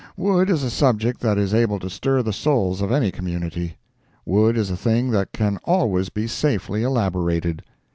Wood is a subject that is able to stir the souls of any community. Wood is a thing that can always be safely elaborated.